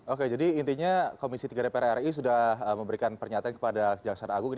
oke jadi intinya komisi tiga dpr ri sudah memberikan pernyataan kepada jaksa agung ini